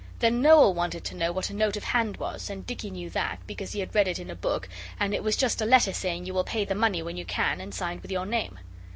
Then Noel wanted to know what a note of hand was, and Dicky knew that, because he had read it in a book, and it was just a letter saying you will pay the money when you can, and signed with your name.